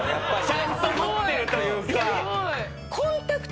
ちゃんと持ってるというか。